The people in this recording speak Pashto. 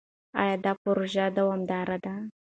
ایا دا پروژه دوامداره ده؟